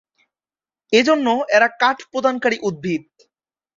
এ জন্য এরা কাঠ প্রদানকারী উদ্ভিদ।